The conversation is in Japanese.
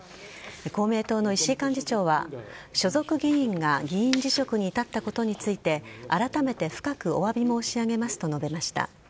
公明党の石井幹事長は所属議員が議員辞職に至ったことについてあらためて深くお詫び申し上げますと述べました。